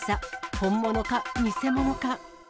本物か偽物か？